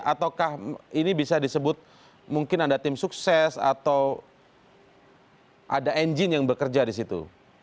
ataukah ini bisa disebut mungkin ada tim sukses atau ada engine yang bekerja di situ